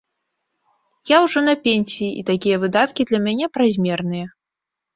Я ўжо на пенсіі, і такія выдаткі для мяне празмерныя.